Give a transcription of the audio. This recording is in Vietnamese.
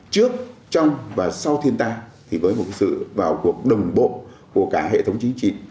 trước trong và sau thiên tai thì với một sự vào cuộc đồng bộ của cả hệ thống chính trị